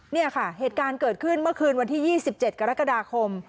เนี้ยค่ะเหตุการณ์เกิดขึ้นเมื่อคืนวันที่ยี่สิบเจ็ดกรกฎาคม